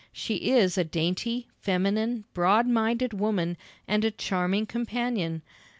She is a dainty, feminine, broad minded woman, and a charming companion.